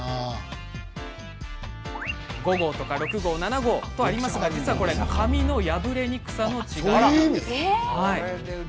５号、６号、７号とありますが実はこれ紙の破れにくさの違いなんです。